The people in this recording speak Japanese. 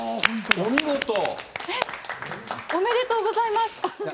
おめでとうございます。